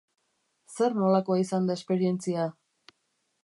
Zer nolakoa izan da esperientzia?